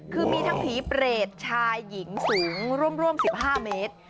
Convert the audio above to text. คือมีทั้งผีเปรตชายหญิงสูงร่วม๑๕เมตร